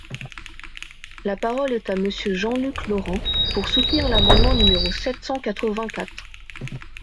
La parole est à Monsieur Jean-Luc Laurent, pour soutenir l’amendement numéro sept cent quatre-vingt-quatre.